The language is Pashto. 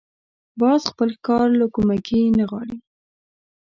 باز خپل ښکار له کومکي نه غواړي